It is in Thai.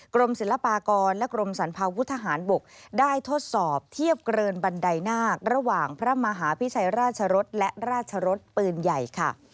กรมศิลปากรและกรมสรรพาวุฒหารบกได้ทดสอบเทียบเกินบันไดนาคระหว่างพระมหาพิชัยราชรสและราชรสปืนใหญ่ค่ะ